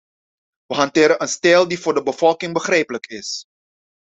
Wij hanteren een stijl die voor de bevolking begrijpelijk is.